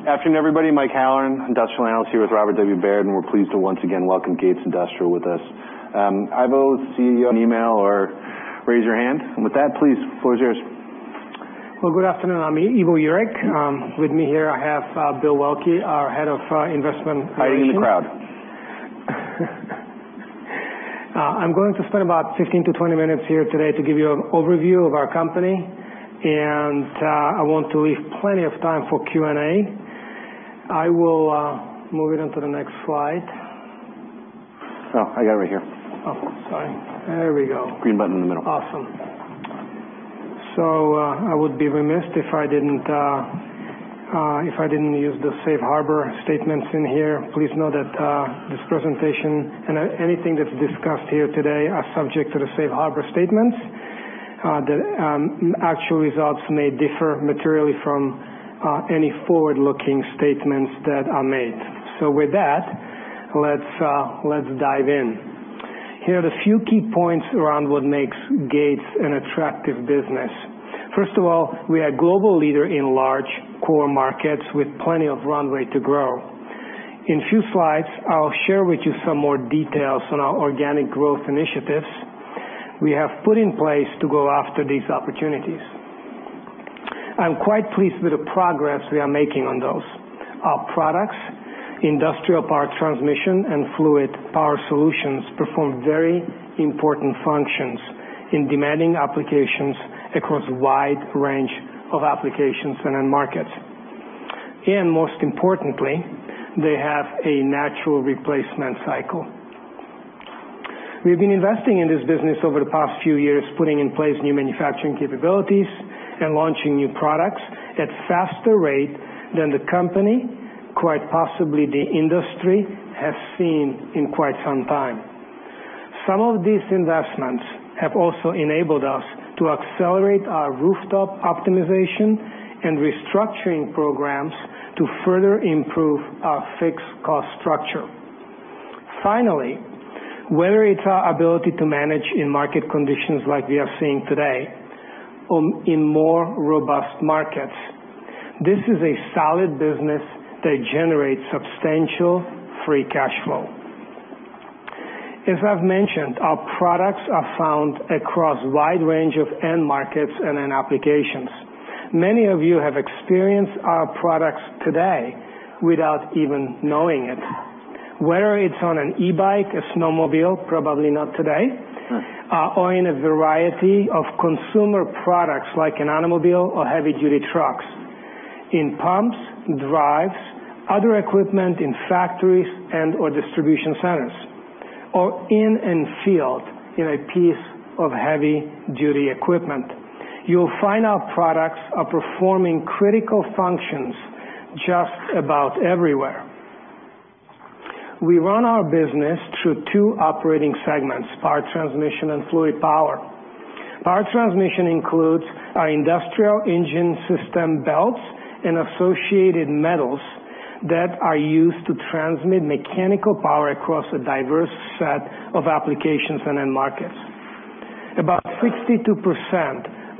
Good afternoon, everybody. Mike Halloran, Industrial Analyst here with Robert W. Baird, and we're pleased to once again welcome Gates Industrial with us. Ivo, CEO. Email or raise your hand. With that, please close yours. Good afternoon. I'm Ivo Jurek. With me here, I have Bill Waelke, our Head of Investor Relations. Hiding in the crowd. I'm going to spend about 15 to 20 minutes here today to give you an overview of our company, and I want to leave plenty of time for Q&A. I will move it on to the next slide. Oh, I got it right here. Oh, sorry. There we go. Green button in the middle. Awesome. I would be remiss if I didn't use the safe harbor statements in here. Please know that this presentation and anything that's discussed here today are subject to the safe harbor statements. The actual results may differ materially from any forward-looking statements that are made. With that, let's dive in. Here are the few key points around what makes Gates an attractive business. First of all, we are a global leader in large core markets with plenty of runway to grow. In a few slides, I'll share with you some more details on our organic growth initiatives we have put in place to go after these opportunities. I'm quite pleased with the progress we are making on those. Our products, industrial power transmission and fluid power solutions, perform very important functions in demanding applications across a wide range of applications and markets. Most importantly, they have a natural replacement cycle. We've been investing in this business over the past few years, putting in place new manufacturing capabilities and launching new products at a faster rate than the company, quite possibly the industry, has seen in quite some time. Some of these investments have also enabled us to accelerate our rooftop optimization and restructuring programs to further improve our fixed cost structure. Finally, whether it's our ability to manage in market conditions like we are seeing today or in more robust markets, this is a solid business that generates substantial free cash flow. As I've mentioned, our products are found across a wide range of end markets and end applications. Many of you have experienced our products today without even knowing it, whether it's on an e-bike, a snowmobile, probably not today, or in a variety of consumer products like an automobile or heavy-duty trucks, in pumps, drives, other equipment in factories and/or distribution centers, or in the field in a piece of heavy-duty equipment. You'll find our products are performing critical functions just about everywhere. We run our business through two operating segments: power transmission and fluid power. Power transmission includes our industrial engine system belts and associated metals that are used to transmit mechanical power across a diverse set of applications and end markets. About 62%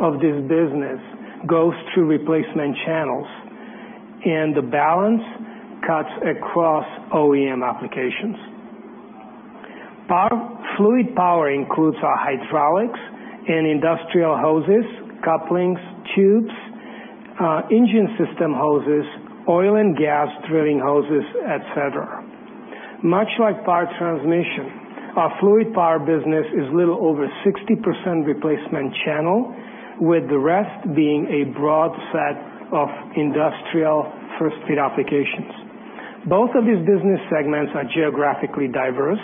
of this business goes through replacement channels, and the balance cuts across OEM applications. Fluid power includes our hydraulics and industrial hoses, couplings, tubes, engine system hoses, oil and gas drilling hoses, etc. Much like power transmission, our fluid power business is a little over 60% replacement channel, with the rest being a broad set of industrial first-feed applications. Both of these business segments are geographically diverse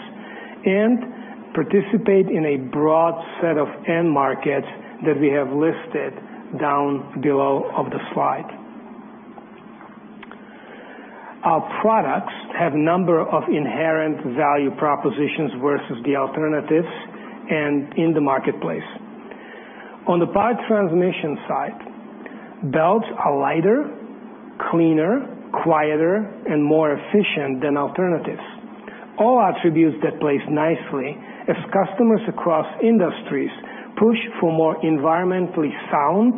and participate in a broad set of end markets that we have listed down below on the slide. Our products have a number of inherent value propositions versus the alternatives and in the marketplace. On the power transmission side, belts are lighter, cleaner, quieter, and more efficient than alternatives, all attributes that play nicely as customers across industries push for more environmentally sound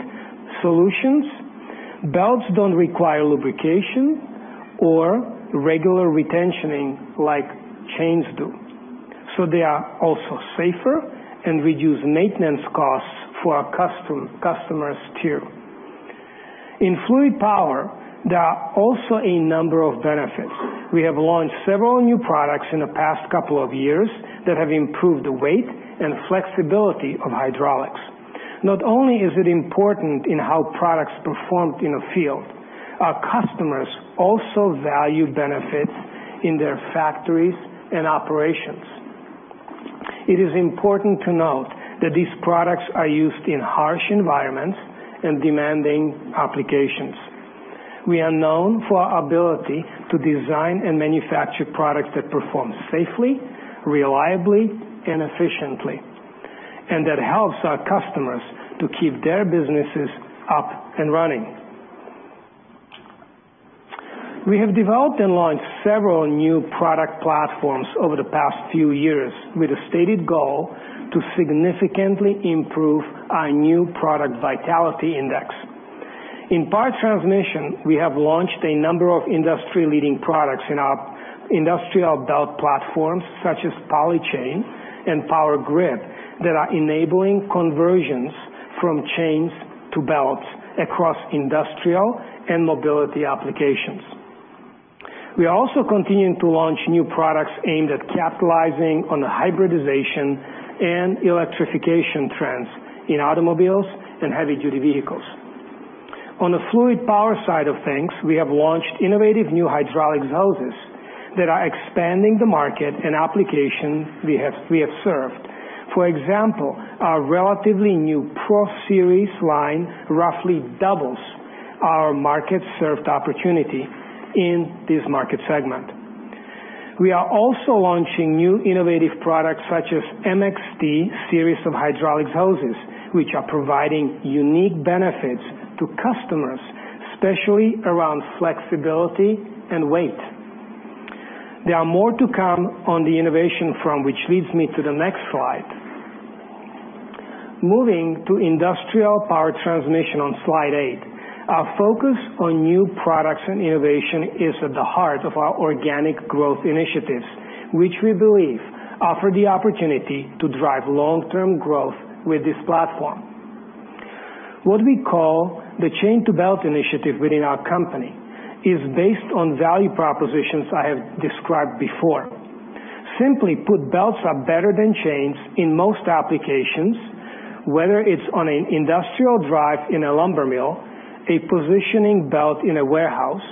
solutions. Belts do not require lubrication or regular retention like chains do, so they are also safer and reduce maintenance costs for our customers too. In fluid power, there are also a number of benefits. We have launched several new products in the past couple of years that have improved the weight and flexibility of hydraulics. Not only is it important in how products perform in the field, our customers also value benefits in their factories and operations. It is important to note that these products are used in harsh environments and demanding applications. We are known for our ability to design and manufacture products that perform safely, reliably, and efficiently, and that helps our customers to keep their businesses up and running. We have developed and launched several new product platforms over the past few years with a stated goal to significantly improve our new product vitality index. In power transmission, we have launched a number of industry-leading products in our industrial belt platforms, such as Polychain and Power Grid, that are enabling conversions from chains to belts across industrial and mobility applications. We are also continuing to launch new products aimed at capitalizing on the hybridization and electrification trends in automobiles and heavy-duty vehicles. On the fluid power side of things, we have launched innovative new hydraulics hoses that are expanding the market and application we have served. For example, our relatively new Pro Series line roughly doubles our market-served opportunity in this market segment. We are also launching new innovative products such as MXD Series of hydraulics hoses, which are providing unique benefits to customers, especially around flexibility and weight. There are more to come on the innovation front, which leads me to the next slide. Moving to industrial power transmission on slide eight, our focus on new products and innovation is at the heart of our organic growth initiatives, which we believe offer the opportunity to drive long-term growth with this platform. What we call the chain-to-belt initiative within our company is based on value propositions I have described before. Simply put, belts are better than chains in most applications, whether it's on an industrial drive in a lumber mill, a positioning belt in a warehouse,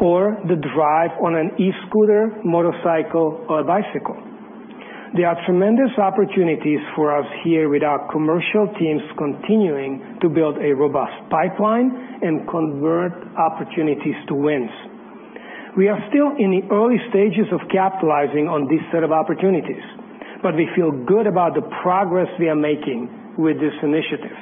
or the drive on an e-scooter, motorcycle, or bicycle. There are tremendous opportunities for us here with our commercial teams continuing to build a robust pipeline and convert opportunities to wins. We are still in the early stages of capitalizing on this set of opportunities, but we feel good about the progress we are making with this initiative.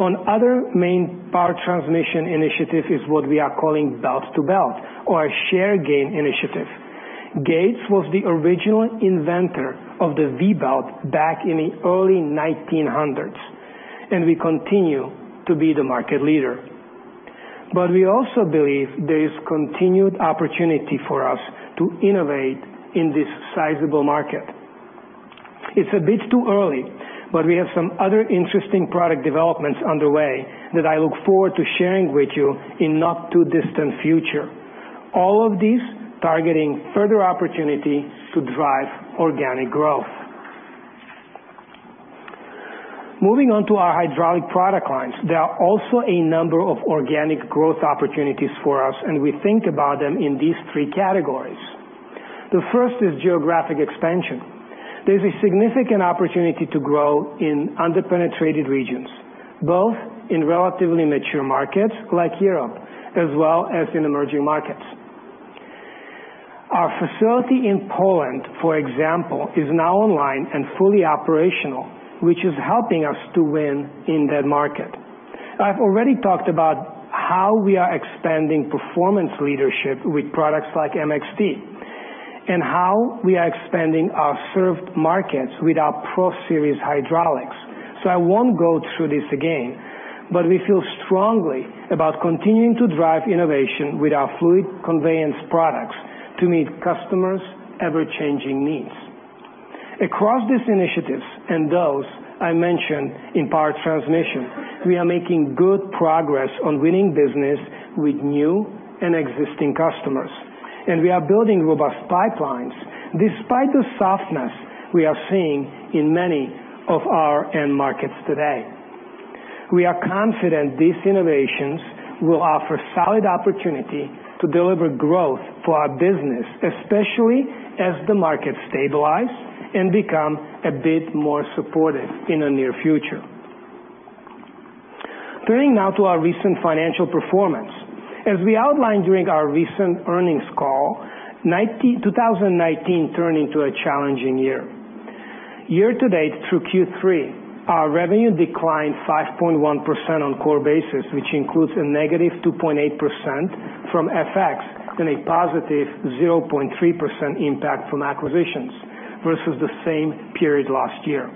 One other main power transmission initiative is what we are calling belt-to-belt or a share gain initiative. Gates was the original inventor of the V-belt back in the early 1900s, and we continue to be the market leader. We also believe there is continued opportunity for us to innovate in this sizable market. It's a bit too early, but we have some other interesting product developments underway that I look forward to sharing with you in the not-too-distant future, all of these targeting further opportunity to drive organic growth. Moving on to our hydraulic product lines, there are also a number of organic growth opportunities for us, and we think about them in these three categories. The first is geographic expansion. There's a significant opportunity to grow in under-penetrated regions, both in relatively mature markets like Europe as well as in emerging markets. Our facility in Poland, for example, is now online and fully operational, which is helping us to win in that market. I've already talked about how we are expanding performance leadership with products like MXD and how we are expanding our served markets with our Pro Series hydraulics. I won't go through this again, but we feel strongly about continuing to drive innovation with our fluid conveyance products to meet customers' ever-changing needs. Across these initiatives and those I mentioned in power transmission, we are making good progress on winning business with new and existing customers, and we are building robust pipelines despite the softness we are seeing in many of our end markets today. We are confident these innovations will offer solid opportunity to deliver growth for our business, especially as the market stabilizes and becomes a bit more supportive in the near future. Turning now to our recent financial performance, as we outlined during our recent earnings call, 2019 turned into a challenging year. Year to date, through Q3, our revenue declined 5.1% on a core basis, which includes a negative 2.8% from FX and a positive 0.3% impact from acquisitions versus the same period last year.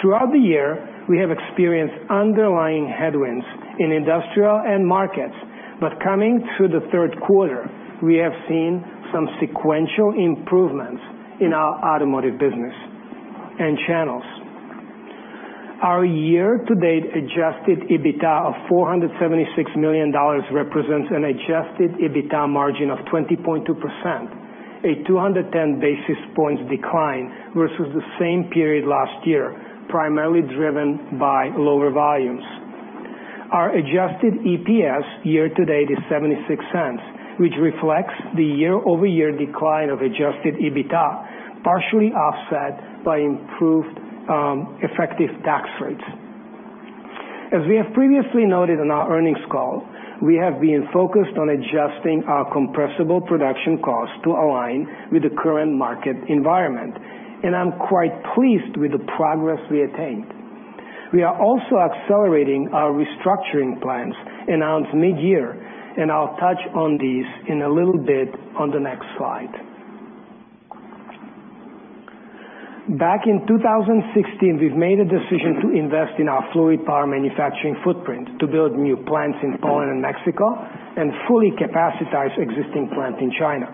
Throughout the year, we have experienced underlying headwinds in industrial end markets, but coming through the third quarter, we have seen some sequential improvements in our automotive business and channels. Our year-to-date adjusted EBITDA of $476 million represents an adjusted EBITDA margin of 20.2%, a 210 basis points decline versus the same period last year, primarily driven by lower volumes. Our adjusted EPS year-to-date is $0.76, which reflects the year-over-year decline of adjusted EBITDA, partially offset by improved effective tax rates. As we have previously noted in our earnings call, we have been focused on adjusting our compressible production costs to align with the current market environment, and I'm quite pleased with the progress we attained. We are also accelerating our restructuring plans announced mid-year, and I'll touch on these in a little bit on the next slide. Back in 2016, we've made a decision to invest in our fluid power manufacturing footprint to build new plants in Poland and Mexico and fully capacitize existing plants in China.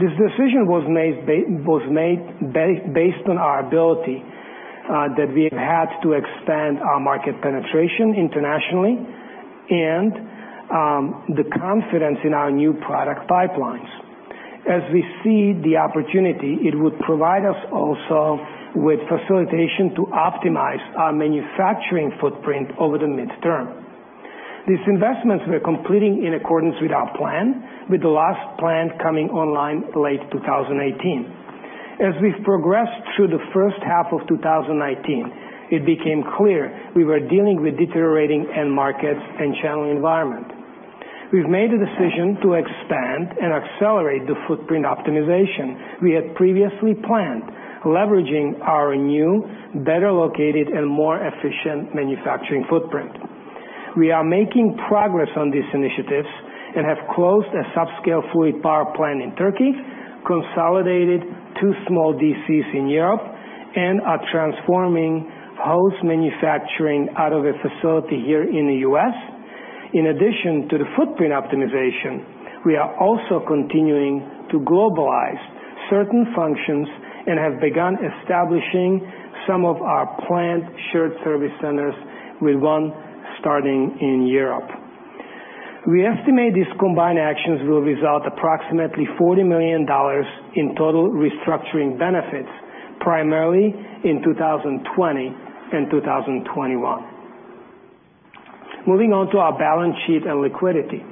This decision was made based on our ability that we have had to expand our market penetration internationally and the confidence in our new product pipelines. As we see the opportunity, it would provide us also with facilitation to optimize our manufacturing footprint over the midterm. These investments we're completing in accordance with our plan, with the last plant coming online late 2018. As we've progressed through the first half of 2019, it became clear we were dealing with deteriorating end markets and channel environment. We've made a decision to expand and accelerate the footprint optimization we had previously planned, leveraging our new, better-located, and more efficient manufacturing footprint. We are making progress on these initiatives and have closed a subscale fluid power plant in Turkey, consolidated two small DCs in Europe, and are transforming hose manufacturing out of a facility here in the US. In addition to the footprint optimization, we are also continuing to globalize certain functions and have begun establishing some of our plant shared service centers, with one starting in Europe. We estimate these combined actions will result in approximately $40 million in total restructuring benefits, primarily in 2020 and 2021. Moving on to our balance sheet and liquidity.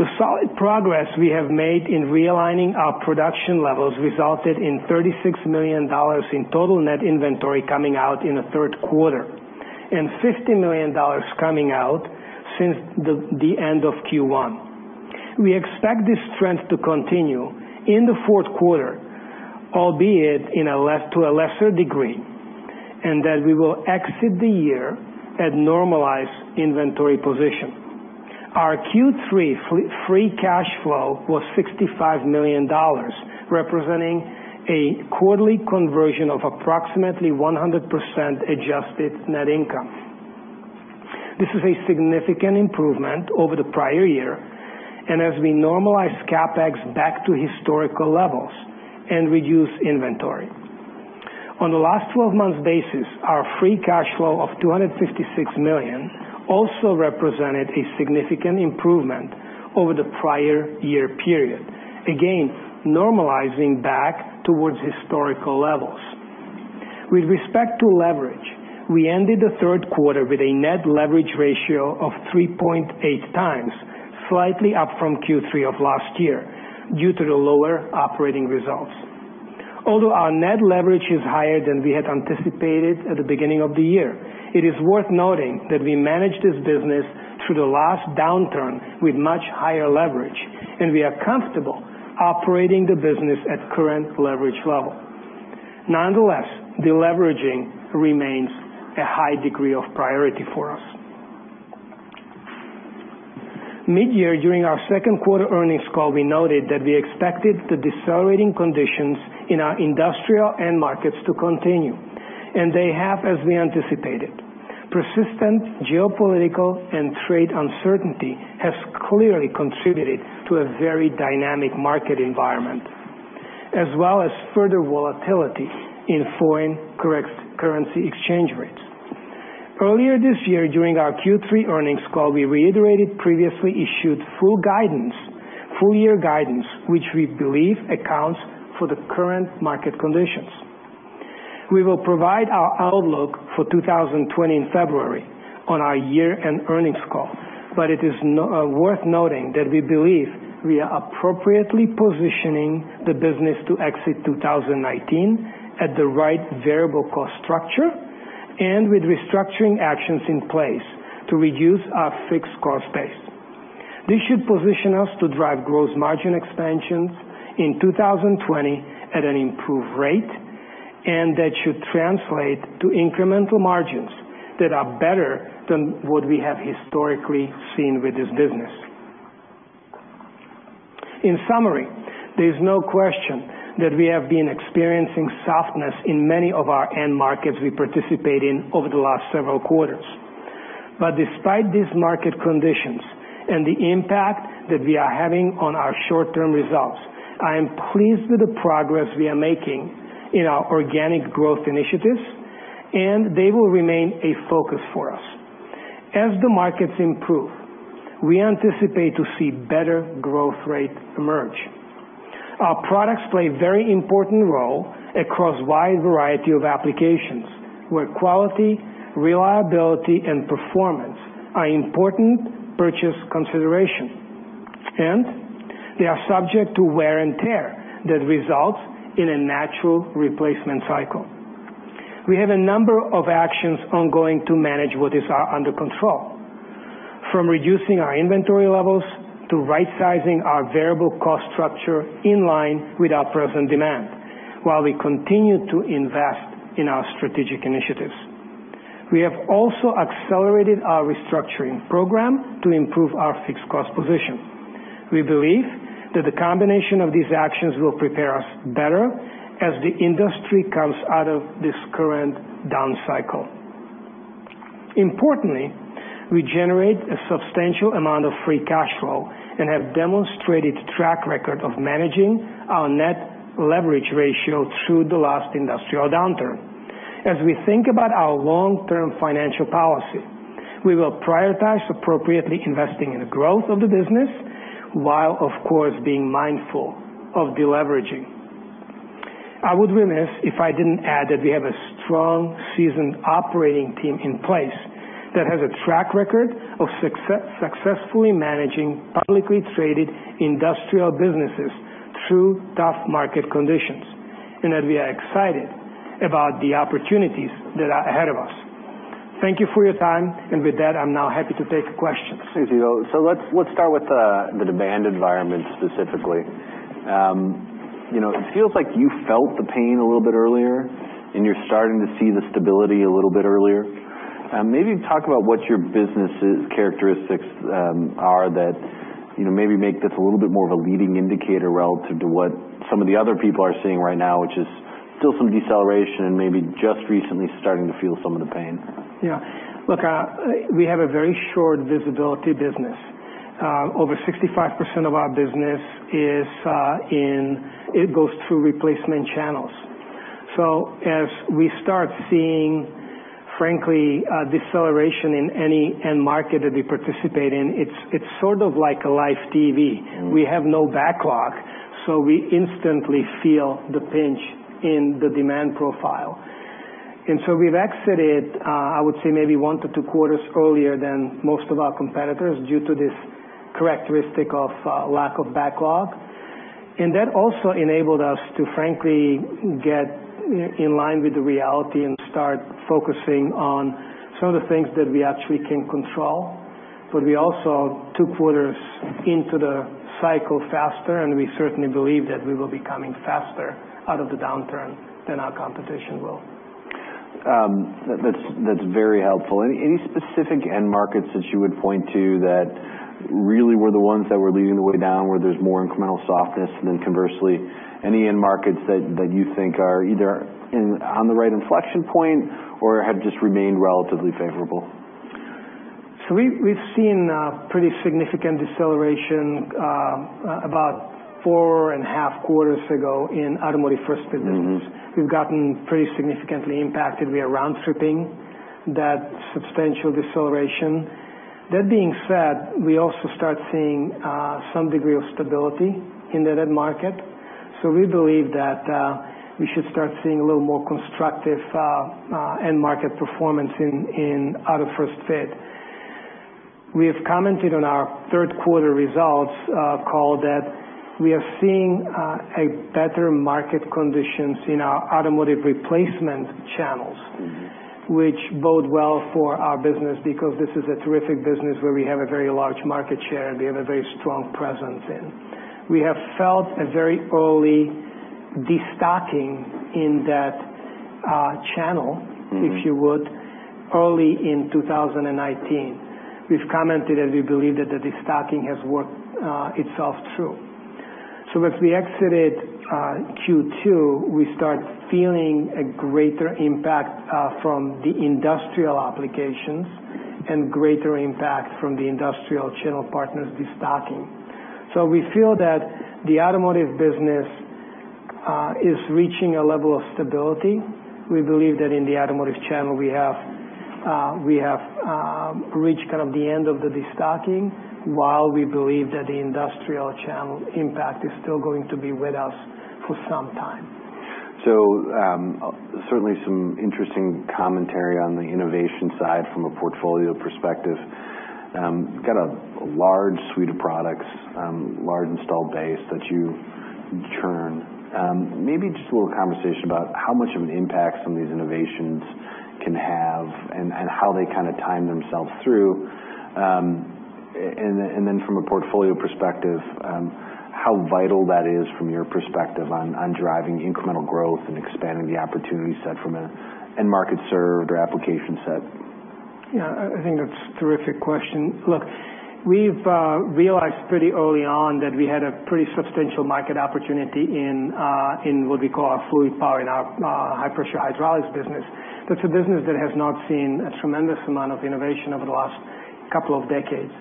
The solid progress we have made in realigning our production levels resulted in $36 million in total net inventory coming out in the third quarter and $50 million coming out since the end of Q1. We expect this trend to continue in the fourth quarter, albeit to a lesser degree, and that we will exit the year at normalized inventory position. Our Q3 free cash flow was $65 million, representing a quarterly conversion of approximately 100% adjusted net income. This is a significant improvement over the prior year, and as we normalize CapEx back to historical levels and reduce inventory. On the last 12 months' basis, our free cash flow of $256 million also represented a significant improvement over the prior year period, again normalizing back towards historical levels. With respect to leverage, we ended the third quarter with a net leverage ratio of 3.8 times, slightly up from Q3 of last year due to the lower operating results. Although our net leverage is higher than we had anticipated at the beginning of the year, it is worth noting that we managed this business through the last downturn with much higher leverage, and we are comfortable operating the business at current leverage level. Nonetheless, deleveraging remains a high degree of priority for us. Mid-year, during our second quarter earnings call, we noted that we expected the decelerating conditions in our industrial end markets to continue, and they have as we anticipated. Persistent geopolitical and trade uncertainty has clearly contributed to a very dynamic market environment, as well as further volatility in foreign currency exchange rates. Earlier this year, during our Q3 earnings call, we reiterated previously issued full-year guidance, which we believe accounts for the current market conditions. We will provide our outlook for 2020 in February on our year-end earnings call, but it is worth noting that we believe we are appropriately positioning the business to exit 2019 at the right variable cost structure and with restructuring actions in place to reduce our fixed cost base. This should position us to drive gross margin expansions in 2020 at an improved rate, and that should translate to incremental margins that are better than what we have historically seen with this business. In summary, there is no question that we have been experiencing softness in many of our end markets we participate in over the last several quarters. Despite these market conditions and the impact that we are having on our short-term results, I am pleased with the progress we are making in our organic growth initiatives, and they will remain a focus for us. As the markets improve, we anticipate to see better growth rates emerge. Our products play a very important role across a wide variety of applications where quality, reliability, and performance are important purchase considerations, and they are subject to wear and tear that results in a natural replacement cycle. We have a number of actions ongoing to manage what is under control, from reducing our inventory levels to right-sizing our variable cost structure in line with our present demand while we continue to invest in our strategic initiatives. We have also accelerated our restructuring program to improve our fixed cost position. We believe that the combination of these actions will prepare us better as the industry comes out of this current down cycle. Importantly, we generate a substantial amount of free cash flow and have demonstrated a track record of managing our net leverage ratio through the last industrial downturn. As we think about our long-term financial policy, we will prioritize appropriately investing in the growth of the business while, of course, being mindful of deleveraging. I would be remiss if I didn't add that we have a strong, seasoned operating team in place that has a track record of successfully managing publicly traded industrial businesses through tough market conditions and that we are excited about the opportunities that are ahead of us. Thank you for your time, and with that, I'm now happy to take questions. Thank you. Let's start with the demand environment specifically. It feels like you felt the pain a little bit earlier, and you're starting to see the stability a little bit earlier. Maybe talk about what your business's characteristics are that maybe make this a little bit more of a leading indicator relative to what some of the other people are seeing right now, which is still some deceleration and maybe just recently starting to feel some of the pain? Yeah. Look, we have a very short visibility business. Over 65% of our business is in. It goes through replacement channels. As we start seeing, frankly, deceleration in any end market that we participate in, it's sort of like a live TV. We have no backlog, so we instantly feel the pinch in the demand profile. We have exited, I would say, maybe one to two quarters earlier than most of our competitors due to this characteristic of lack of backlog. That also enabled us to, frankly, get in line with the reality and start focusing on some of the things that we actually can control. We also took quarters into the cycle faster, and we certainly believe that we will be coming faster out of the downturn than our competition will. That is very helpful. Any specific end markets that you would point to that really were the ones that were leading the way down where there is more incremental softness? Conversely, any end markets that you think are either on the right inflection point or have just remained relatively favorable? We have seen pretty significant deceleration about four and a half quarters ago in automotive first-bit businesses. We've gotten pretty significantly impacted. We are round-tripping that substantial deceleration. That being said, we also start seeing some degree of stability in the net market. We believe that we should start seeing a little more constructive end market performance in auto first-bit. We have commented on our third quarter results call that we are seeing better market conditions in our automotive replacement channels, which bode well for our business because this is a terrific business where we have a very large market share and we have a very strong presence in. We have felt a very early destacking in that channel, if you would, early in 2019. We have commented that we believe that the destacking has worked itself through. As we exited Q2, we start feeling a greater impact from the industrial applications and greater impact from the industrial channel partners destacking. We feel that the automotive business is reaching a level of stability. We believe that in the automotive channel, we have reached kind of the end of the destacking, while we believe that the industrial channel impact is still going to be with us for some time. Certainly some interesting commentary on the innovation side from a portfolio perspective. You have got a large suite of products, large installed base that you churn. Maybe just a little conversation about how much of an impact some of these innovations can have and how they kind of time themselves through? From a portfolio perspective, how vital that is from your perspective on driving incremental growth and expanding the opportunity set from an end market serve or application set? Yeah. I think that is a terrific question. Look, we've realized pretty early on that we had a pretty substantial market opportunity in what we call our fluid power and our high-pressure hydraulics business. That's a business that has not seen a tremendous amount of innovation over the last couple of decades.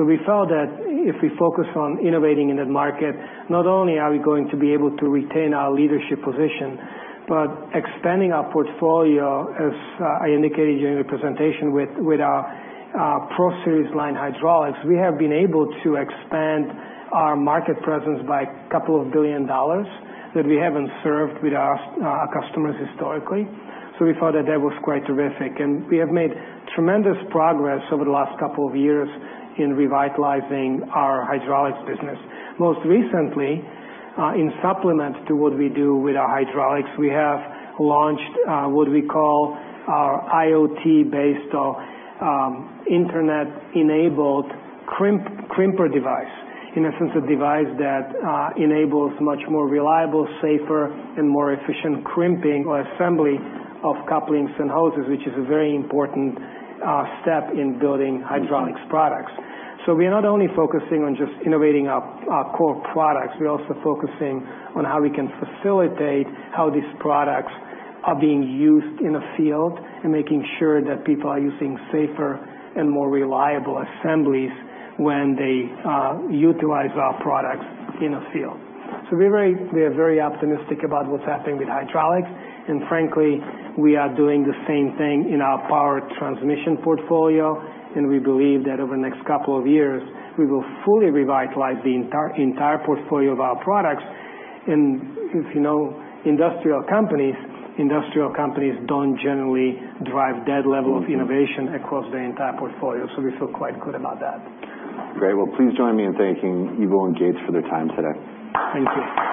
We felt that if we focus on innovating in that market, not only are we going to be able to retain our leadership position, but expanding our portfolio, as I indicated during the presentation with our Pro Series line hydraulics, we have been able to expand our market presence by a couple of billion dollars that we haven't served with our customers historically. We thought that that was quite terrific. We have made tremendous progress over the last couple of years in revitalizing our hydraulics business. Most recently, in supplement to what we do with our hydraulics, we have launched what we call our IoT-based or internet-enabled crimper device, in a sense, a device that enables much more reliable, safer, and more efficient crimping or assembly of couplings and hoses, which is a very important step in building hydraulics products. We are not only focusing on just innovating our core products. We are also focusing on how we can facilitate how these products are being used in a field and making sure that people are using safer and more reliable assemblies when they utilize our products in a field. We are very optimistic about what's happening with hydraulics. Frankly, we are doing the same thing in our power transmission portfolio. We believe that over the next couple of years, we will fully revitalize the entire portfolio of our products. If you know industrial companies, industrial companies do not generally drive that level of innovation across their entire portfolio. We feel quite good about that. Great. Please join me in thanking Jurek and Gates for their time today. Thank you.